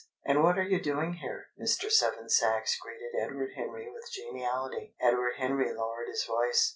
"And what are you doing here?" Mr. Seven Sachs greeted Edward Henry with geniality. Edward Henry lowered his voice.